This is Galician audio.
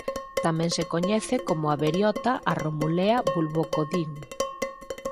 Tamén se coñece como aberiota a Romulea bulbocodium.